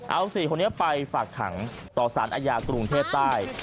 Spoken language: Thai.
เอา๔คนนี้ไปฝากขังต่อสารอาญากรุงเทพใต้